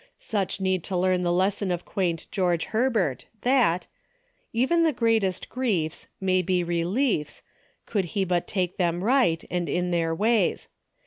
Such need to learn the lesson of quaint George Herbert, that ''Even the greatest griefs May be reliefs, Could he but take them right, and in their ways.